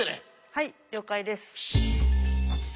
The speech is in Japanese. はい了解です。